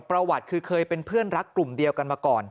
ประวัติคือเคยเป็นเพื่อนรักกลุ่มเดียวกันมาก่อน